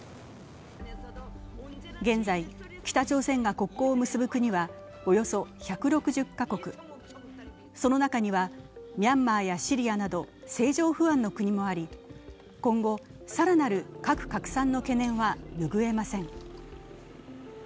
現在、北朝鮮が国交を結ぶ国はおよそ１６０カ国。その中には、ミャンマーやシリアなど政情不安の国もあり、今後更なる核拡散の懸念は拭えません。